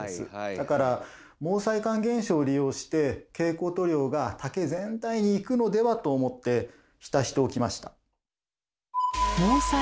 だから毛細管現象を利用して蛍光塗料が竹全体にいくのではと思って浸しておきました。